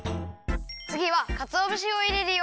つぎはかつおぶしをいれるよ。